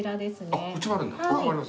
あっこっちもあるんだ。